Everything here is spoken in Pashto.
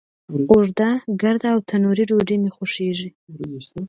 اوږده، ګرده، او تنوری ډوډۍ می خوښیږی